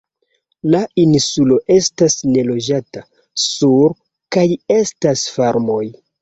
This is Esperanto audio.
La insulo estas neloĝata, sur kaj estas farmoj.